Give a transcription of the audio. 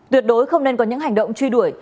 tuyệt đối không nên có những hành động truy đuổi